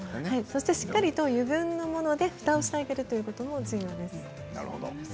そしてしっかりと油分のものでふたをしてあげるというのがいいですね。